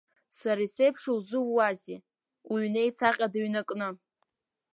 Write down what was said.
Сара исеиԥшу илзууазеи, уҩнеицаҟьа дыҩнакны!